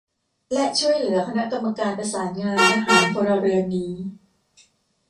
และช่วยเหลือคณะกรรมการประสานงานทหาร-พลเรือนนี้